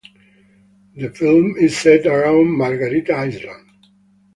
The film is set around Margarita Island.